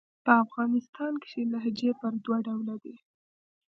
په افغانستان کښي لهجې پر دوه ډوله دي.